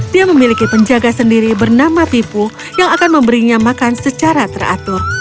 dia memiliki penjaga sendiri bernama pipu yang akan memberinya makan secara teratur